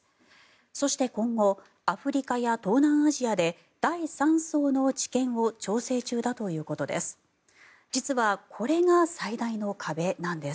そして、今後アフリカや東南アジアで第３相の治験を調整中だということです。